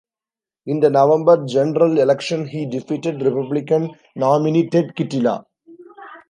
In the November general election he defeated Republican nominee Ted Kittila.